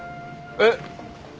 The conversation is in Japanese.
えっ。